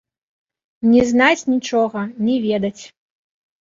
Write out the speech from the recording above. Не знаць нічога, не ведаць.